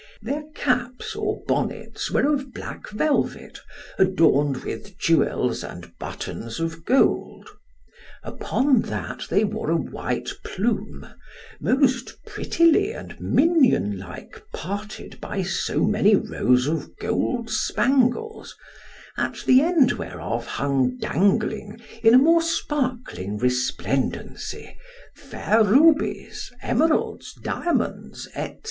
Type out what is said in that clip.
Their caps or bonnets were of black velvet, adorned with jewels and buttons of gold. Upon that they wore a white plume, most prettily and minion like parted by so many rows of gold spangles, at the end whereof hung dangling in a more sparkling resplendency fair rubies, emeralds, diamonds, &c.